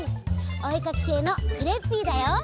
おえかきせいのクレッピーだよ！